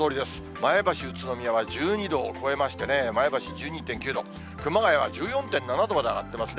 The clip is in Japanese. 前橋、宇都宮は１２度を超えましてね、前橋１２．９度、熊谷は１４．７度まで上がってますね。